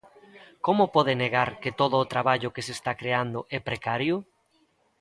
¿Como pode negar que todo o traballo que se está creando é precario?